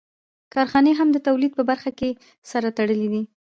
کارخانې هم د تولید په برخه کې سره تړلې دي